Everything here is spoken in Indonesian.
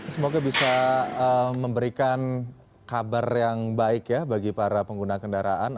semoga bisa memberikan kabar yang baik ya bagi para pengguna kendaraan